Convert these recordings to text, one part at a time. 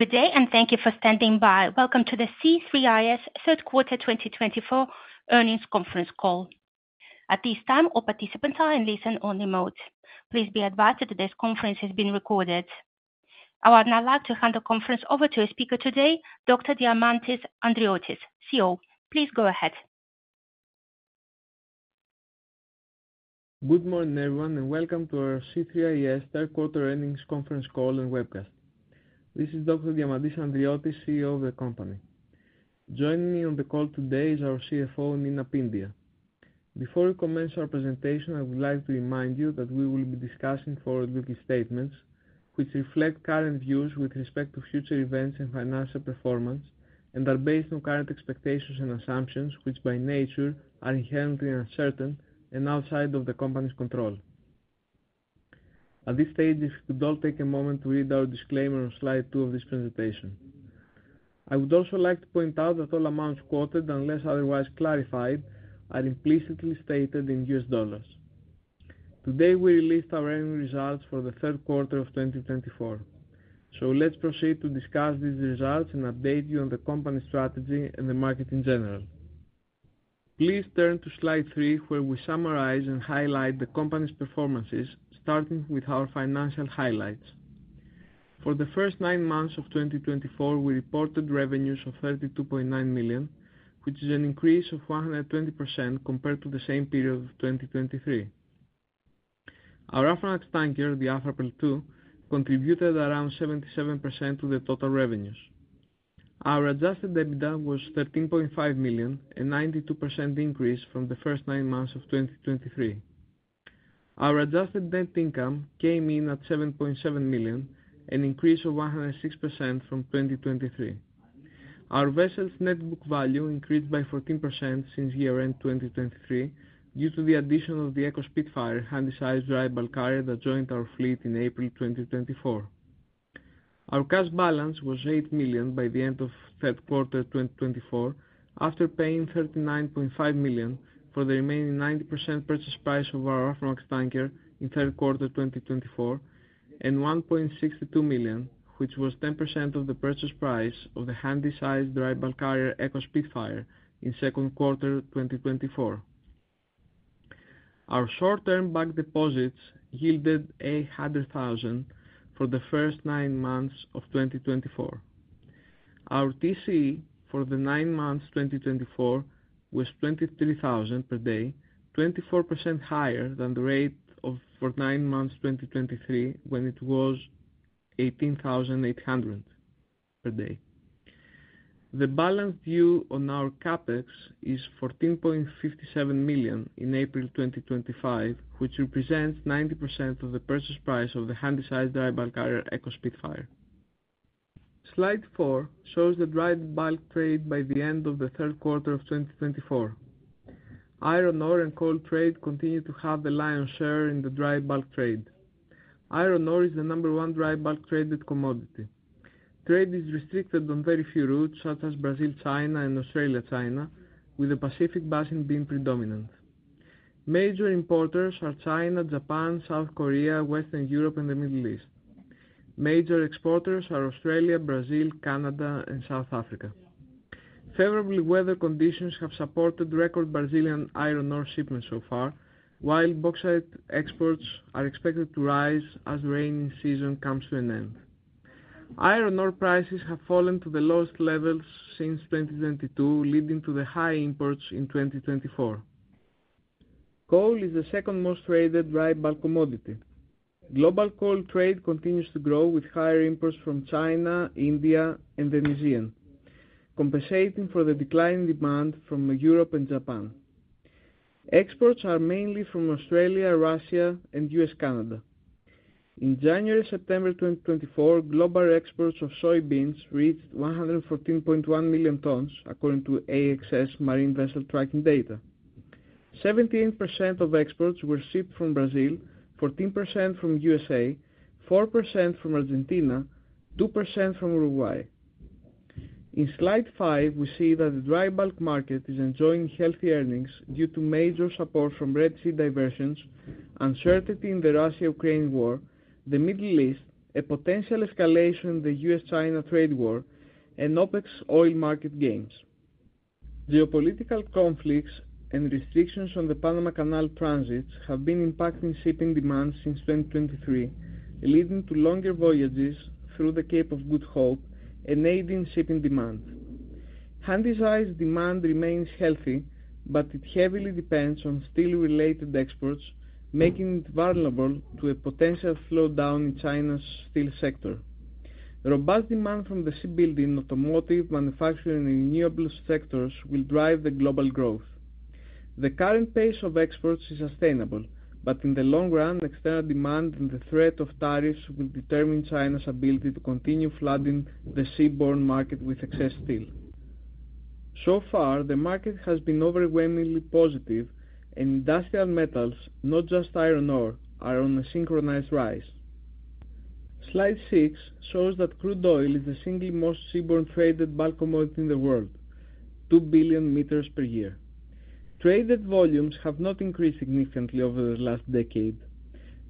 Good day, and thank you for standing by. Welcome to the C3is Third Quarter 2024 Earnings Conference Call. At this time, all participants are in listen-only mode. Please be advised that this conference is being recorded. I would now like to hand the conference over to our speaker today, Dr. Diamantis Andriotis, CEO. Please go ahead. Good morning, everyone, and welcome to our C3is Third Quarter Earnings Conference Call and Webcast. This is Dr. Diamantis Andriotis, CEO of the company. Joining me on the call today is our CFO, Nina Pyndiah. Before we commence our presentation, I would like to remind you that we will be discussing forward-looking statements, which reflect current views with respect to future events and financial performance, and are based on current expectations and assumptions, which by nature are inherently uncertain and outside of the company's control. At this stage, if you could all take a moment to read our disclaimer on Slide two of this presentation. I would also like to point out that all amounts quoted, unless otherwise clarified, are implicitly stated in US dollars. Today, we released our earnings results for the third quarter of 2024. So let's proceed to discuss these results and update you on the company's strategy and the market in general. Please turn to Slide three, where we summarize and highlight the company's performances, starting with our financial highlights. For the first nine months of 2024, we reported revenues of $32.9 million, which is an increase of 120% compared to the same period of 2023. Our Aframax tanker, the Afrapearl II, contributed around 77% to the total revenues. Our Adjusted EBITDA was $13.5 million, a 92% increase from the first nine months of 2023. Our Adjusted net income came in at $7.7 million, an increase of 106% from 2023. Our vessel's net book value increased by 14% since year-end 2023 due to the addition of the Eco Spitfire Handysize dry bulk carrier that joined our fleet in April 2024. Our cash balance was $8 million by the end of third quarter 2024, after paying $39.5 million for the remaining 90% purchase price of our Aframax tanker in third quarter 2024, and $1.62 million, which was 10% of the purchase price of the Handysize dry bulk carrier Eco Spitfire in second quarter 2024. Our short-term bank deposits yielded $800,000 for the first nine months of 2024. Our TCE for the nine months 2024 was $23,000 per day, 24% higher than the rate for nine months 2023, when it was $18,800 per day. The balance due on our CapEx is $14.57 million in April 2025, which represents 90% of the purchase price of the Handysize dry bulk carrier Eco Spitfire. Slide four shows the dry bulk trade by the end of the third quarter of 2024. Iron ore and coal trade continue to have the lion's share in the dry bulk trade. Iron ore is the number one dry bulk traded commodity. Trade is restricted on very few routes, such as Brazil-China and Australia-China, with the Pacific Basin being predominant. Major importers are China, Japan, South Korea, Western Europe, and the Middle East. Major exporters are Australia, Brazil, Canada, and South Africa. Favorable weather conditions have supported record Brazilian iron ore shipments so far, while bauxite exports are expected to rise as the rainy season comes to an end. Iron ore prices have fallen to the lowest levels since 2022, leading to the high imports in 2024. Coal is the second most traded dry bulk commodity. Global coal trade continues to grow, with higher imports to China, India, and New Zealand, compensating for the declining demand from Europe and Japan. Exports are mainly from Australia, Russia, and the U.S. and Canada. In January-September 2024, global exports of soybeans reached 114.1 million tons, according to AXSMarine Vessel Tracking Data. 17% of exports were shipped from Brazil, 14% from the USA, 4% from Argentina, and 2% from Uruguay. In Slide five, we see that the dry bulk market is enjoying healthy earnings due to major support from Red Sea diversions, uncertainty in the Russia-Ukraine war, the Middle East, a potential escalation in the U.S.-China trade war, and OPEC's oil market gains. Geopolitical conflicts and restrictions on the Panama Canal transit have been impacting shipping demand since 2023, leading to longer voyages through the Cape of Good Hope and aiding shipping demand. Handysize demand remains healthy, but it heavily depends on steel-related exports, making it vulnerable to a potential slowdown in China's steel sector. Robust demand from the shipbuilding, automotive, manufacturing, and renewables sectors will drive the global growth. The current pace of exports is sustainable, but in the long run, external demand and the threat of tariffs will determine China's ability to continue flooding the seaborne market with excess steel. So far, the market has been overwhelmingly positive, and industrial metals, not just iron ore, are on a synchronized rise. Slide six shows that crude oil is the single most seaborne traded bulk commodity in the world, two billion ton-miles per year. Trade volumes have not increased significantly over the last decade.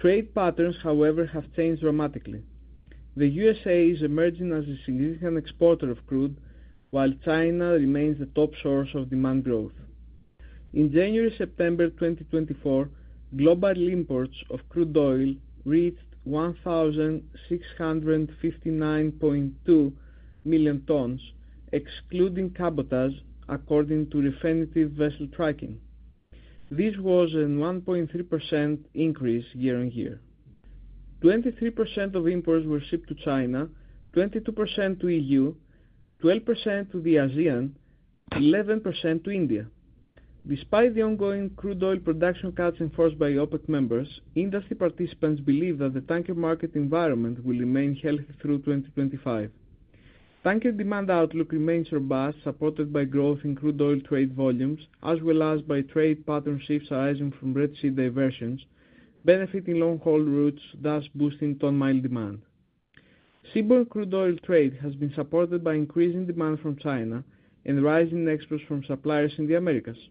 Trade patterns, however, have changed dramatically. The USA is emerging as a significant exporter of crude, while China remains the top source of demand growth. In January-September 2024, global imports of crude oil reached 1,659.2 million tons, excluding cabotage, according to Refinitiv Vessel Tracking. This was a 1.3% increase year-on-year. 23% of imports were shipped to China, 22% to the EU, 12% to the ASEAN, and 11% to India. Despite the ongoing crude oil production cuts enforced by OPEC members, industry participants believe that the tanker market environment will remain healthy through 2025. Tanker demand outlook remains robust, supported by growth in crude oil trade volumes, as well as by trade pattern shifts arising from Red Sea diversions, benefiting long-haul routes, thus boosting ton-mile demand. Seaborne crude oil trade has been supported by increasing demand from China and rising exports from suppliers in the Americas.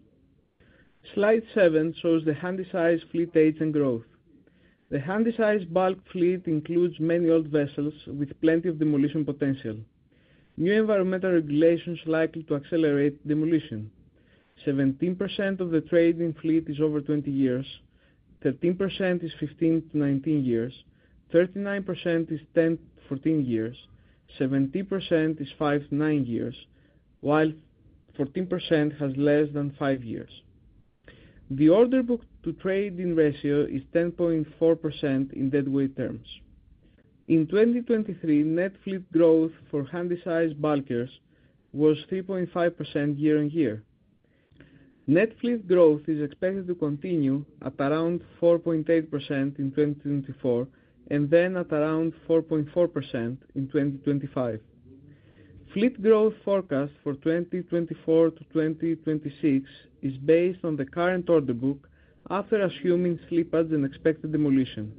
Slide seven shows the Handysize fleet age and growth. The Handysize bulk fleet includes many old vessels with plenty of demolition potential. New environmental regulations are likely to accelerate demolition. 17% of the trading fleet is over 20 years, 13% is 15-19 years, 39% is 10-14 years, 17% is five to nine years, while 14% has less than five years. The order book to trading ratio is 10.4% in deadweight terms. In 2023, net fleet growth for Handysize bulkers was 3.5% year-on-year. Net fleet growth is expected to continue at around 4.8% in 2024 and then at around 4.4% in 2025. Fleet growth forecast for 2024-2026 is based on the current order book, after assuming slippage and expected demolition.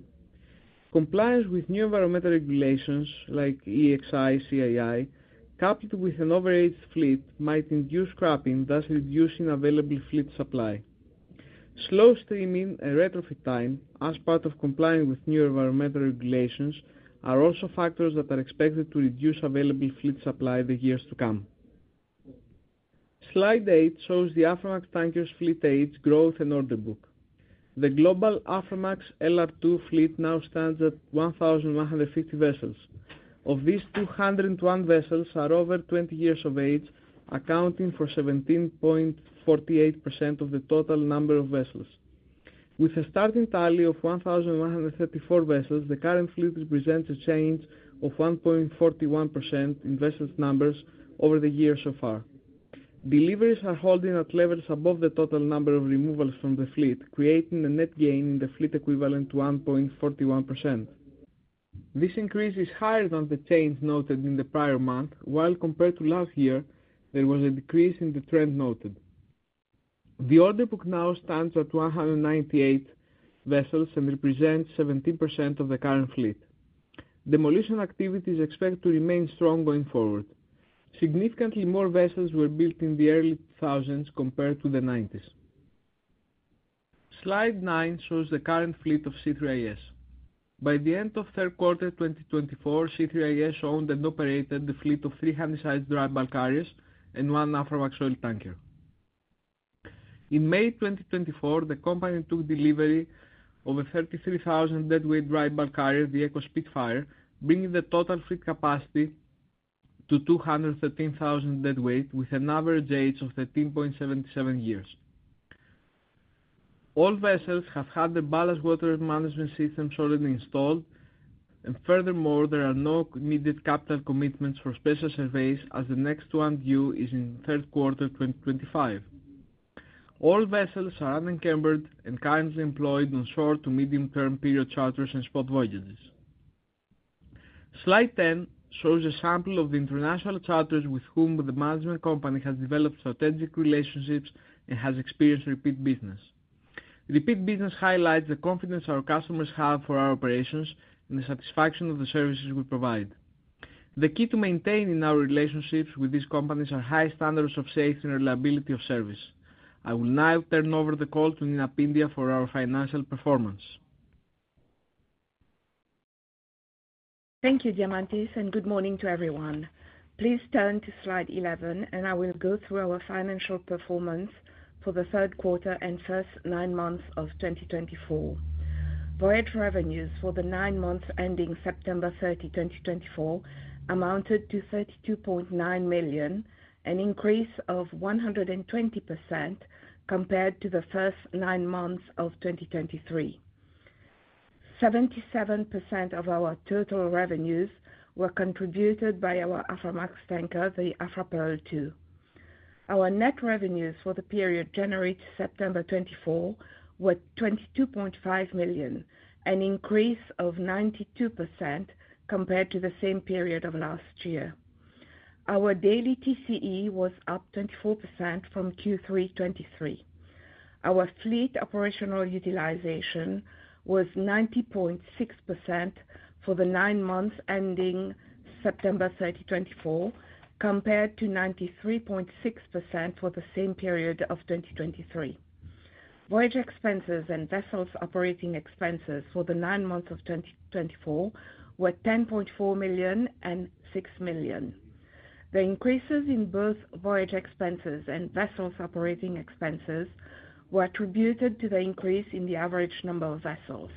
Compliance with new environmental regulations, like EEXI/CII, coupled with an overaged fleet, might induce scrapping, thus reducing available fleet supply. Slow steaming and retrofit time, as part of complying with new environmental regulations, are also factors that are expected to reduce available fleet supply in the years to come. Slide eight shows the Aframax tanker fleet age, growth, and order book. The global Aframax LR2 fleet now stands at 1,150 vessels. Of these, 201 vessels are over 20 years of age, accounting for 17.48% of the total number of vessels. With a starting tally of 1,134 vessels, the current fleet represents a change of 1.41% in vessels' numbers over the year so far. Deliveries are holding at levels above the total number of removals from the fleet, creating a net gain in the fleet equivalent to 1.41%. This increase is higher than the change noted in the prior month, while compared to last year, there was a decrease in the trend noted. The order book now stands at 198 vessels and represents 17% of the current fleet. Demolition activity is expected to remain strong going forward. Significantly more vessels were built in the early 2000s compared to the 1990s. Slide nine shows the current fleet of C3is. By the end of third quarter 2024, C3is owned and operated the fleet of three Handysize drybulk carriers and one Aframax oil tanker. In May 2024, the company took delivery of a 33,000 deadweight drybulk carrier, the Eco Spitfire, bringing the total fleet capacity to 213,000 deadweight, with an average age of 13.77 years. All vessels have had their ballast water management systems already installed, and furthermore, there are no needed capital commitments for special surveys, as the next one due is in third quarter 2025. All vessels are unencumbered and currently employed on short to medium-term period charterers and spot voyages. Slide 10 shows a sample of the international charterers with whom the management company has developed strategic relationships and has experienced repeat business. Repeat business highlights the confidence our customers have for our operations and the satisfaction of the services we provide. The key to maintaining our relationships with these companies are high standards of safety and reliability of service. I will now turn over the call to Nina Pyndiah for our financial performance. Thank you, Diamantis, and good morning to everyone. Please turn to Slide 11, and I will go through our financial performance for the third quarter and first nine months of 2024. Voyage revenues for the nine months ending September 30, 2024, amounted to $32.9 million, an increase of 120% compared to the first nine months of 2023. 77% of our total revenues were contributed by our Aframax tanker, the Afrapearl II. Our net revenues for the period January to September 2024 were $22.5 million, an increase of 92% compared to the same period of last year. Our daily TCE was up 24% from Q3 2023. Our fleet operational utilization was 90.6% for the nine months ending September 30, 2024, compared to 93.6% for the same period of 2023. Voyage expenses and vessels operating expenses for the nine months of 2024 were $10.4 million and $6 million. The increases in both voyage expenses and vessels operating expenses were attributed to the increase in the average number of vessels.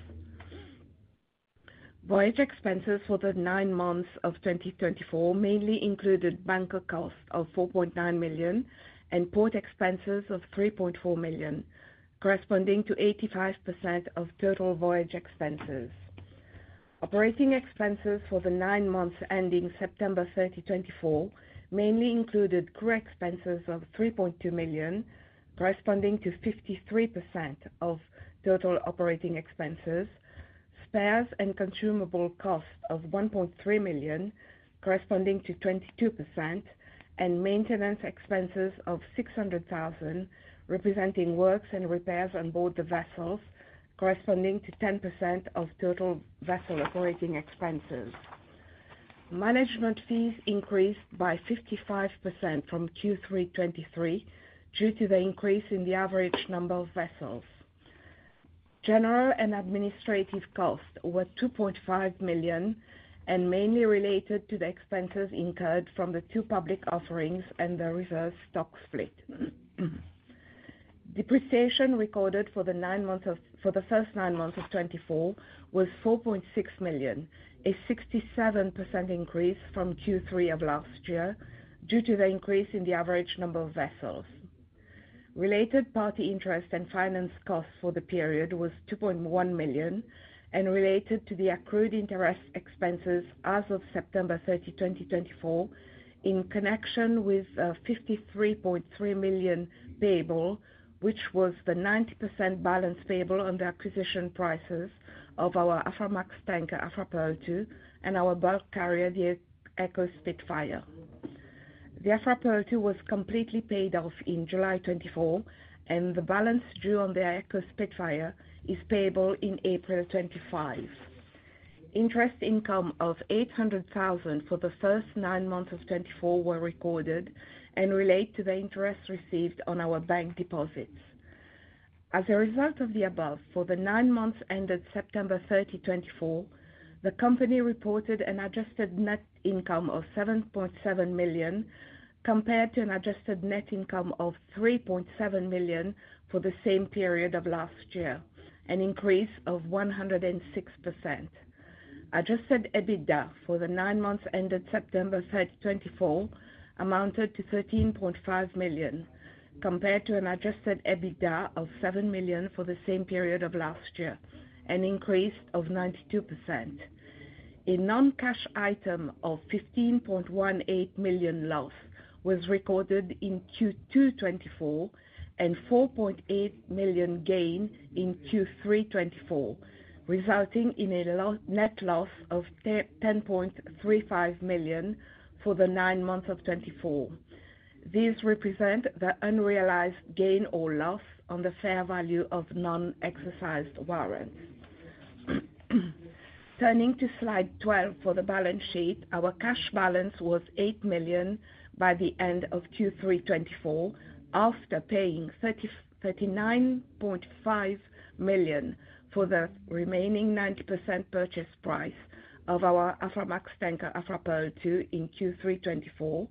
Voyage expenses for the nine months of 2024 mainly included bunker costs of $4.9 million and port expenses of $3.4 million, corresponding to 85% of total voyage expenses. Operating expenses for the nine months ending September 30, 2024, mainly included crew expenses of $3.2 million, corresponding to 53% of total operating expenses, spares and consumable costs of $1.3 million, corresponding to 22%, and maintenance expenses of $600,000, representing works and repairs on board the vessels, corresponding to 10% of total vessel operating expenses. Management fees increased by 55% from Q3 2023 due to the increase in the average number of vessels. General and administrative costs were $2.5 million and mainly related to the expenses incurred from the two public offerings and the reverse stock split. Depreciation recorded for the first nine months of 2024 was $4.6 million, a 67% increase from Q3 of last year due to the increase in the average number of vessels. Related party interest and finance costs for the period was $2.1 million and related to the accrued interest expenses as of September 30, 2024, in connection with a $53.3 million payable, which was the 90% balance payable on the acquisition prices of our Aframax tanker Afrapearl II and our bulk carrier, the Eco Spitfire. The Afrapearl II was completely paid off in July 2024, and the balance due on the Eco Spitfire is payable in April 2025. Interest income of $800,000 for the first nine months of 2024 was recorded and relates to the interest received on our bank deposits. As a result of the above, for the nine months ended September 30, 2024, the company reported an Adjusted net income of $7.7 million compared to an Adjusted net income of $3.7 million for the same period of last year, an increase of 106%. Adjusted EBITDA for the nine months ended September 30, 2024, amounted to $13.5 million compared to an Adjusted EBITDA of $7 million for the same period of last year, an increase of 92%. A non-cash item of $15.18 million loss was recorded in Q2 2024 and $4.8 million gain in Q3 2024, resulting in a net loss of $10.35 million for the nine months of 2024. These represent the unrealized gain or loss on the fair value of non-exercised warrants. Turning to Slide 12 for the balance sheet, our cash balance was $8 million by the end of Q3 2024, after paying $39.5 million for the remaining 90% purchase price of our Aframax tanker Afrapearl II in Q3 2024,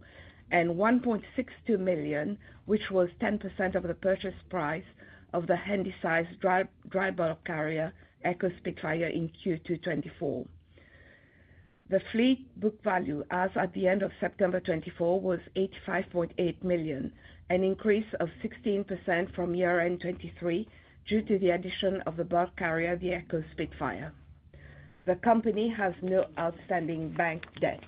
and $1.62 million, which was 10% of the purchase price of the Handysize drybulk carrier, Eco Spitfire, in Q2 2024. The fleet book value, as at the end of September 2024, was $85.8 million, an increase of 16% from year-end 2023 due to the addition of the bulk carrier, the Eco Spitfire. The company has no outstanding bank debt.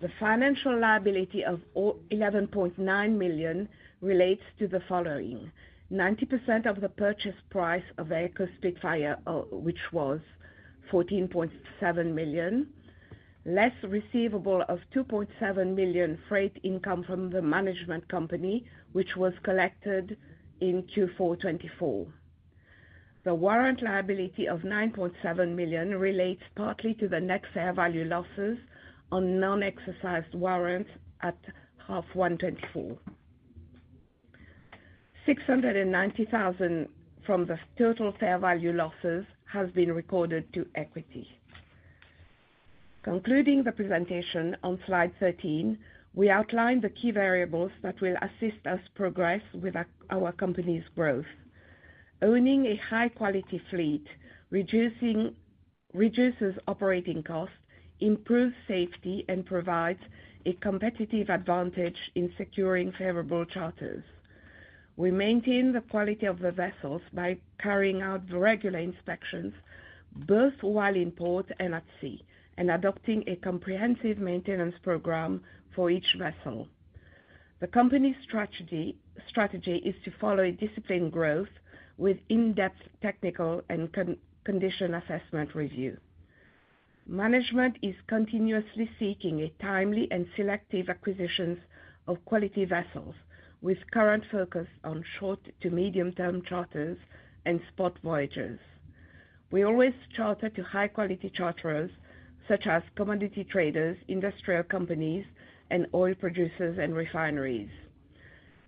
The financial liability of $11.9 million relates to the following: 90% of the purchase price of Eco Spitfire, which was $14.7 million, less receivable of $2.7 million freight income from the management company, which was collected in Q4 2024. The warrant liability of $9.7 million relates partly to the net fair value losses on non-exercised warrants at H1 2024. $690,000 from the total fair value losses has been recorded to equity. Concluding the presentation on Slide 13, we outline the key variables that will assist us progress with our company's growth. Owning a high-quality fleet reduces operating costs, improves safety, and provides a competitive advantage in securing favorable charterers. We maintain the quality of the vessels by carrying out regular inspections, both while in port and at sea, and adopting a comprehensive maintenance program for each vessel. The company's strategy is to follow a disciplined growth with in-depth technical and condition assessment review. Management is continuously seeking timely and selective acquisitions of quality vessels, with current focus on short to medium-term charterers and spot voyages. We always charter to high-quality charterers, such as commodity traders, industrial companies, and oil producers and refineries.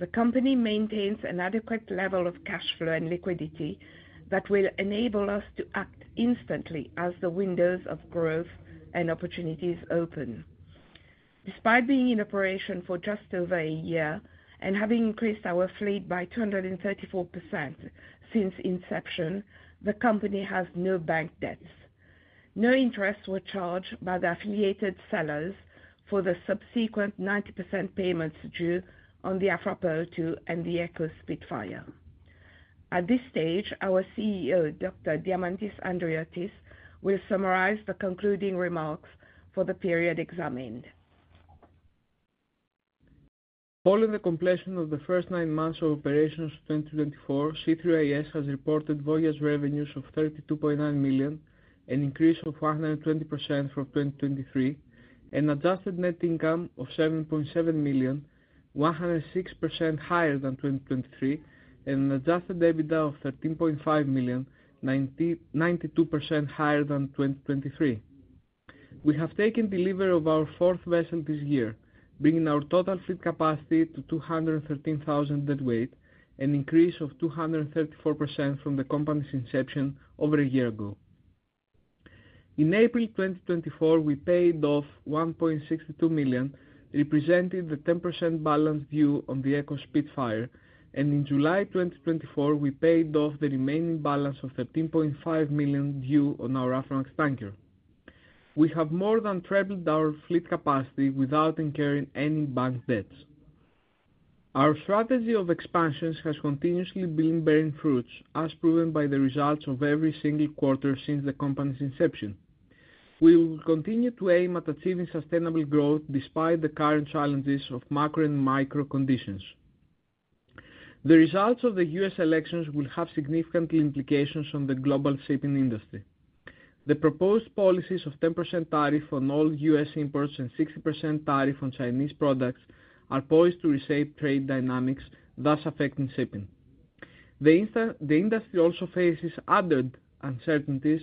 The company maintains an adequate level of cash flow and liquidity that will enable us to act instantly as the windows of growth and opportunities open. Despite being in operation for just over a year and having increased our fleet by 234% since inception, the company has no bank debts. No interest was charged by the affiliated sellers for the subsequent 90% payments due on the Afrapearl II and the Eco Spitfire. At this stage, our CEO, Dr. Diamantis Andriotis, will summarize the concluding remarks for the period examined. Following the completion of the first nine months of operations of 2024, C3is has reported voyage revenues of $32.9 million, an increase of 120% from 2023, an Adjusted net income of $7.7 million, 106% higher than 2023, and an Adjusted EBITDA of $13.5 million, 92% higher than 2023. We have taken delivery of our fourth vessel this year, bringing our total fleet capacity to 213,000 deadweight, an increase of 234% from the company's inception over a year ago. In April 2024, we paid off $1.62 million, representing the 10% balance due on the Eco Spitfire, and in July 2024, we paid off the remaining balance of $13.5 million due on our Aframax tanker. We have more than tripled our fleet capacity without incurring any bank debts. Our strategy of expansions has continuously been bearing fruits, as proven by the results of every single quarter since the company's inception. We will continue to aim at achieving sustainable growth despite the current challenges of macro and micro conditions. The results of the U.S. elections will have significant implications on the global shipping industry. The proposed policies of 10% tariff on all U.S. imports and 60% tariff on Chinese products are poised to reshape trade dynamics, thus affecting shipping. The industry also faces other uncertainties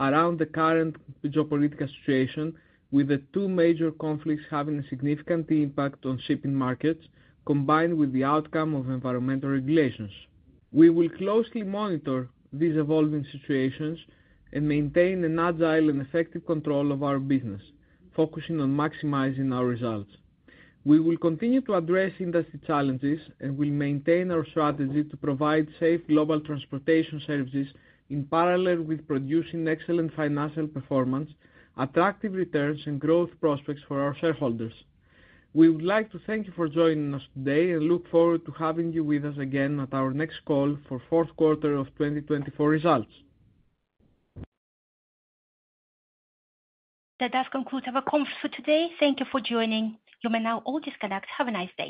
around the current geopolitical situation, with the two major conflicts having a significant impact on shipping markets, combined with the outcome of environmental regulations. We will closely monitor these evolving situations and maintain an agile and effective control of our business, focusing on maximizing our results. We will continue to address industry challenges and will maintain our strategy to provide safe global transportation services in parallel with producing excellent financial performance, attractive returns, and growth prospects for our shareholders. We would like to thank you for joining us today and look forward to having you with us again at our next call for the fourth quarter of 2024 results. That does conclude our conference for today. Thank you for joining. You may now all disconnect. Have a nice day.